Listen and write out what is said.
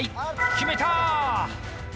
決めた！